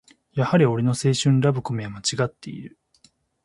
やはり俺の青春ラブコメはまちがっている